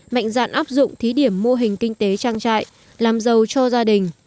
mạnh dạn áp dụng thí điểm mô hình kinh tế trang trại làm giàu cho gia đình